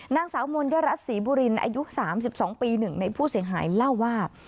นางสาวมนยรัฐศรีบุรินอายุ๓๒ปี๑ในผู้เสียหายเล่าว่า